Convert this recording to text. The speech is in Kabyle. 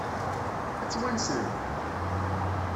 Ad tt-wansen?